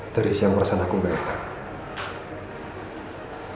dari siang perasan aku nggak enak